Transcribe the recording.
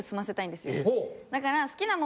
だから。